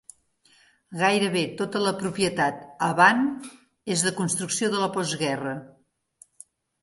Gairebé tota la propietat a Van és de construcció de la postguerra.